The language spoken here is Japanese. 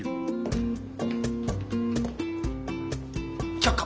却下。